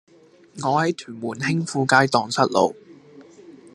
我喺屯門興富街盪失路